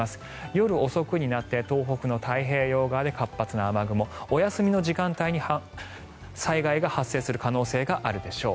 夜遅くになって東北の太平洋側で活発な雨雲お休みの時間帯に災害が発生する可能性があるでしょう。